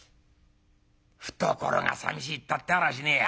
懐がさみしいたってあらしねえや」。